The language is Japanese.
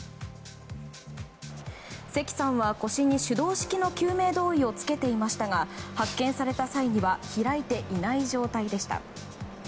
関さんは腰に手動式の救命胴衣を着けていましたが発見された際には開いていない状態でした。